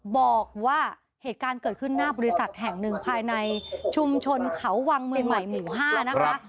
บอกว่าเหตุการณ์เกิดขึ้นหน้าบริษัทแห่งหนึ่งภายในชุมชนเขาวังเมืองใหม่หมู่๕นะคะ